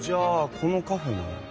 このカフェも。